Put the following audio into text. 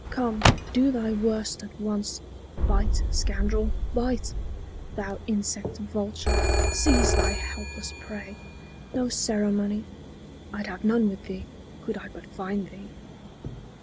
Come, do thy worst at once. Bite, scoundrel, bite! Thou insect vulture, seize thy helpless prey! No ceremony! (I'd have none with thee, Could I but find thee.)